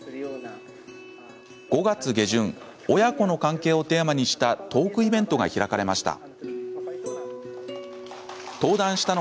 ５月下旬親子の関係をテーマにしたトークイベントが開かれました。